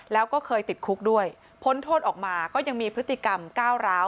แล้วก็เคยติดคุกด้วยพ้นโทษออกมาก็ยังมีพฤติกรรมก้าวร้าว